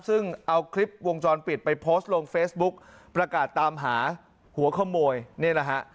ซึ่งเอาคลิปวงจรปิดไปโพสต์ลงเฟซบุ๊กประกาศตามหาหัวขโมยนี่แหละฮะ